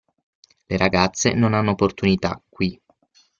Le ragazze non hanno opportunità, qui.